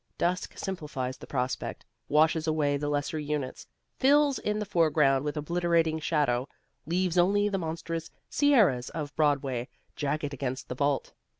Dusk simplifies the prospect, washes away the lesser units, fills in the foreground with obliterating shadow, leaves only the monstrous sierras of Broadway jagged against the vault.